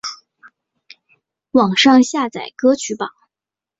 网上下载歌曲榜